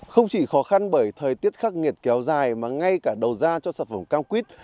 không chỉ khó khăn bởi thời tiết khắc nghiệt kéo dài mà ngay cả đầu ra cho sản phẩm cam quýt